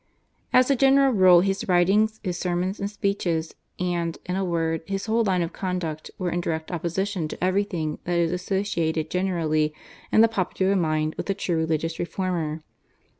As a general rule his writings, his sermons and speeches, and, in a word, his whole line of conduct were in direct opposition to everything that is associated generally in the popular mind with the true religious reformer.